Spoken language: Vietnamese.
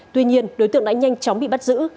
tuy nhiên đối tượng đã nhanh chóng bị bắt giữ